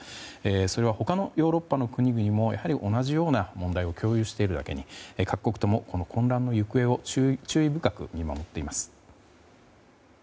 それは他のヨーロッパの国々もやはり同じような問題を共有しているだけに各国ともこの混乱の行方を注意深く見守っています。